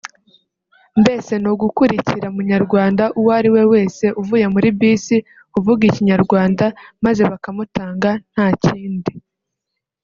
“Mbese ni ugukurikira munyarwanda uwariwe wese uvuye muri bisi uvuga ikinyarwanda maze bakamutanga nta cyindi